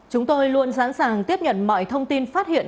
chúng tôi luôn sẵn sàng tiếp nhận mọi thông tin phát hiện